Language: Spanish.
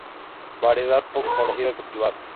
Variedad poco conocida y cultivada.